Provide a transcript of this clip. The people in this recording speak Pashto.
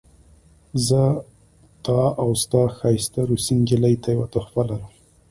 زه تا او ستا ښایسته روسۍ نجلۍ ته یوه تحفه لرم